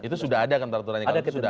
itu sudah ada kan aturannya